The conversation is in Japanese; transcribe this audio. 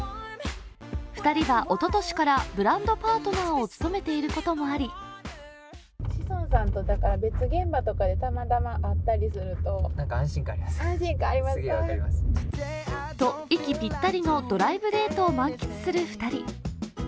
２人はおととしからブランドパートナーを務めていることもあり息ぴったりのドライブデートを満喫する２人。